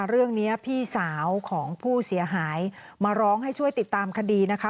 เรื่องนี้พี่สาวของผู้เสียหายมาร้องให้ช่วยติดตามคดีนะคะ